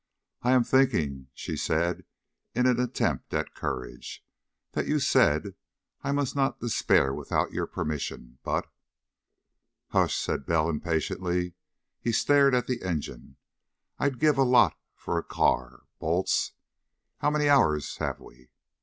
"I am thinking," she said in an attempt at courage, "that you said I must not despair without your permission. But " "Hush!" said Bell impatiently. He stared at the engine. "I'd give a lot for a car. Bolts.... How many hours have we?"